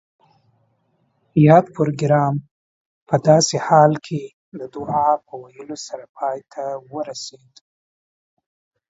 یاد پروګرام پۀ داسې حال کې د دعا پۀ ویلو سره پای ته ورسید